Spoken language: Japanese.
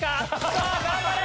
さぁ頑張れ！